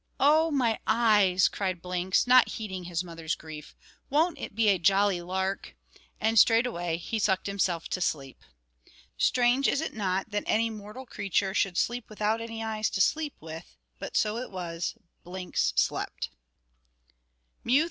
"Oh my eyes!" cried Blinks, not heeding his mother's grief, "won't it be a jolly lark!" and straightway he sucked himself to sleep. Strange, is it not, that any mortal creature should sleep without any eyes to sleep with; but so it was, Blinks slept. MEW III.